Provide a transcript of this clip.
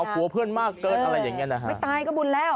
กลัวเพื่อนมากเกินอะไรอย่างเงี้นะฮะไม่ตายก็บุญแล้ว